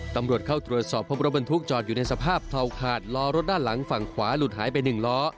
ตำรวจเข้าตรวจสอบพบรถบรรทุกจอดอยู่ในสภาพเทาขาดล้อรถด้านหลังฝั่งขวาหลุดหายไป๑ล้อ